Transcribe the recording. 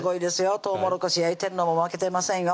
とうもろこし焼いてるのも負けてませんよ